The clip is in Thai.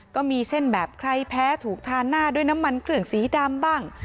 ก็มีเช่นแบบใครแพ้ถูกทานหน้าด้วยน้ำมันเครื่องสีดำบ้าง